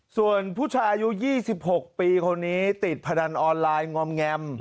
ส่วนผู้ชายอายุ๒๖ปีคนนี้ติดพนันออนไลน์งอมแงม